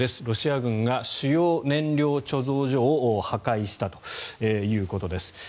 ロシア軍が主要燃料貯蔵所を破壊したということです。